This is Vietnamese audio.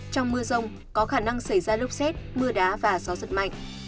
trong mưa rông có khả năng xảy ra lốc xét mưa đá và gió giật mạnh